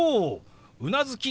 うなずき